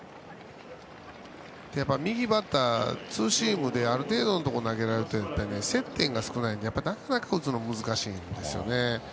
右バッター、ツーシームである程度のところに投げないと接点が少ないのでなかなか打つのが難しいんですね。